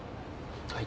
はい。